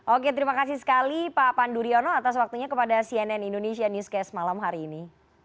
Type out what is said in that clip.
oke terima kasih sekali pak pandu riono atas waktunya kepada cnn indonesia newscast malam hari ini